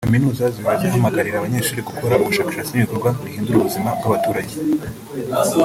Kaminuza zihora zihamagarira abanyeshuri gukora ubushakashatsi n’ibikorwa bihundura ubuzima bw’abaturage